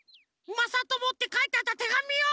まさとも」ってかいてあったてがみを！